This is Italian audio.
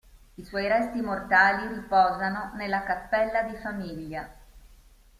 I suoi resti mortali riposano nella cappella di famiglia.